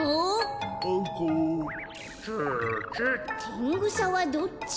「テングサはどっち？」。